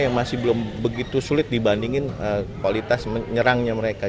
yang masih belum begitu sulit dibandingin kualitas menyerangnya mereka